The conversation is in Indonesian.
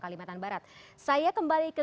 kalimantan barat saya kembali ke